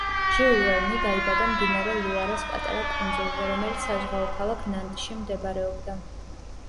ჟიულ ვერნი დაიბადა მდინარე ლუარას პატარა კუნძულზე, რომელიც საზღვაო ქალაქ ნანტში მდებარეობდა.